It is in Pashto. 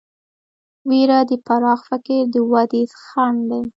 وېره د پراخ فکر د ودې خنډ دی.